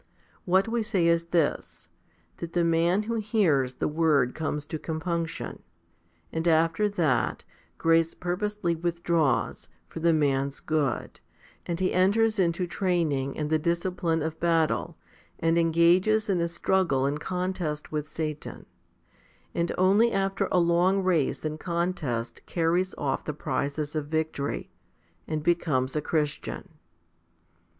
What we say is this, that the man who hears the word comes to compunction, and after that, grace purposely withdraws, for the man's good, and he enters into training and the discipline of battle, and engages in a struggle and contest with Satan, and only after a long race and contest carries off the prizes of victory, and becomes a Christian.